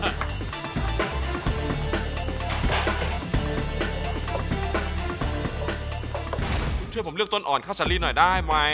คุณช่วยผมช่วยผมเลือกต้นอ่อนข้าวสาลีหน่อยได้ไหม